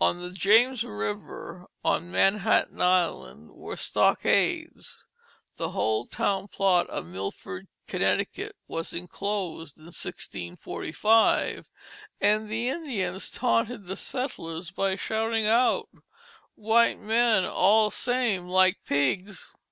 On the James River, on Manhattan Island, were stockades. The whole town plot of Milford, Connecticut, was enclosed in 1645, and the Indians taunted the settlers by shouting out, "White men all same like pigs."